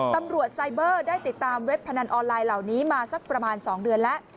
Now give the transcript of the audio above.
ไซเบอร์ได้ติดตามเว็บพนันออนไลน์เหล่านี้มาสักประมาณ๒เดือนแล้ว